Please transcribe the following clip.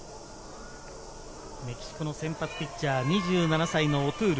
メキシコの先発ピッチャー、２７歳のオトゥール。